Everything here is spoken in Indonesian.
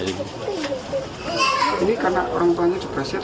ini karena orang tuanya depresi atau kemana